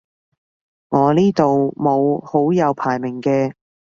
我呢度冇好友排名嘅